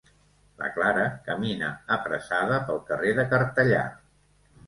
La Clara camina apressada pel carrer de Cartellà.